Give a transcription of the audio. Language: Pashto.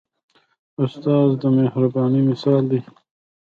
استاد د مهربانۍ مثال دی.